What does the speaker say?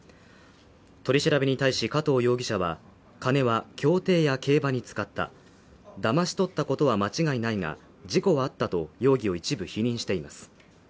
取り調べに対し加藤容疑者は金は競艇や競馬に使っただまし取ったことは間違いないが、事故はあったと容疑を一部否認しています。